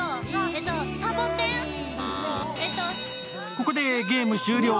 ここでゲーム終了。